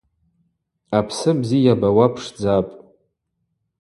Апсы бзи йабауа пшдзапӏ.